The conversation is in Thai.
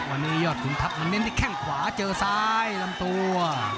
วันนี้ยอดขุนทัพมันเน้นที่แข้งขวาเจอซ้ายลำตัว